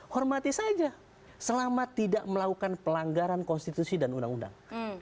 hormati saja selama tidak melakukan pelanggaran konstitusi dan undang undang